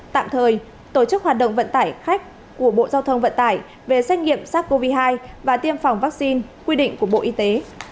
tạm thời tổ chức hoạt động vận tải khách của bộ giao thông vận tải về xét nghiệm sars cov hai và tiêm phòng vaccine quy định của bộ y tế